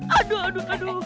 aduh aduh aduh